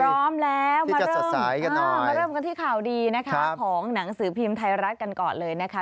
พร้อมแล้วมาเริ่มมาเริ่มกันที่ข่าวดีนะคะของหนังสือพิมพ์ไทยรัฐกันก่อนเลยนะคะ